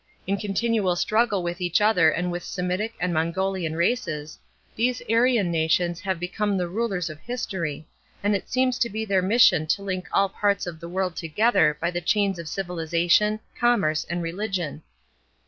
In continual struggle with each other and with Semitic and Mongolian races, these Aryan nations have become the rulers of history, and it seems to be their mission to link all parts of the world together by the chains of civilization, commerce, and religion."